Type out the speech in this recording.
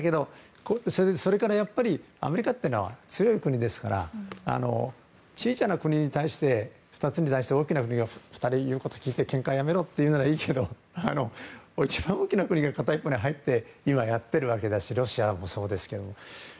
それからやっぱりアメリカというのは強い国ですから小さな国に対して大きな国が、言うことを聞いてけんかをやめろって言うのはいいけど自分の国が大きな国に入って片一方でやっているわけだしロシアもそうですけど。